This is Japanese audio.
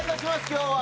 今日は。